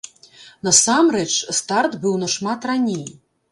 Насамрэч, старт быў нашмат раней!